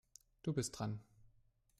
Du bist dran.